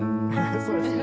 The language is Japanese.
そうですね。